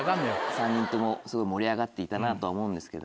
３人ともすごい盛り上がっていたなとは思うんですけど。